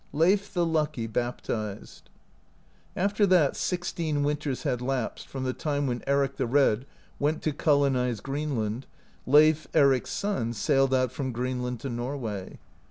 I.EIF THE I.UCKY BAPTIZED. After that sixteen winters had lapsed, from the time when Eric the Red went to colonize Greenland, Leif, Eric's son, sailed out from Greenland to Norway.